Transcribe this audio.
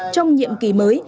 trong nhiệm kỳ mới